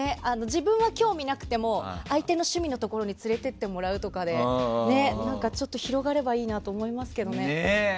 自分は興味なくても相手の趣味のところに連れてってもらうとかで広がればいいなって思いますけどね。